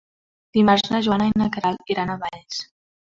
Dimarts na Joana i na Queralt iran a Valls.